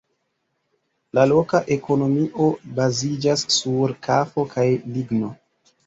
La loka ekonomio baziĝas sur kafo kaj ligno.